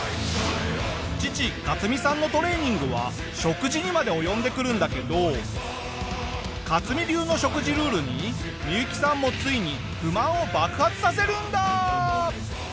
父カツミさんのトレーニングは食事にまで及んでくるんだけどカツミ流の食事ルールにミユキさんもついに不満を爆発させるんだ！